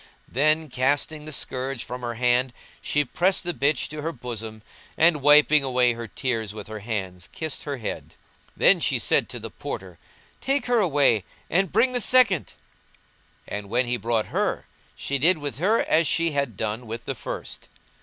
Then, casting the scourge from her hand, she pressed the bitch to her bosom and, wiping away her tears with her hands, kissed her head. Then she said to the Porter, "Take her away and bring the second;" and, when he brought her, she did with her as she had done with the first.